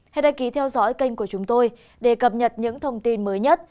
hãy đăng ký theo dõi kênh của chúng tôi để cập nhật những thông tin mới nhất